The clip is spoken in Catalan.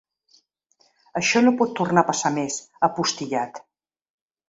Això no pot tornar a passar més, ha postil·lat.